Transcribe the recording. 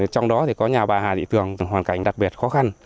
trong đó có nhà bà hà thị tường hoàn cảnh đặc biệt khó khăn